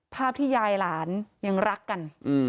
ภาพที่ยายหลานยังรักกัน